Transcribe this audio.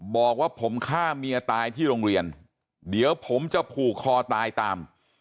บอกว่าผมฆ่าเมียตายที่โรงเรียนเดี๋ยวผมจะผูกคอตายตาม